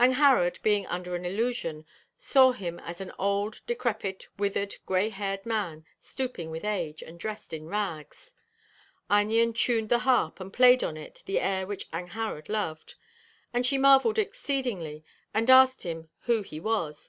Angharad, being under an illusion, 'saw him as an old, decrepit, withered, grey haired man, stooping with age, and dressed in rags.' Einion tuned the harp, 'and played on it the air which Angharad loved. And she marvelled exceedingly, and asked him who he was.